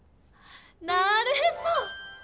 なるへそ！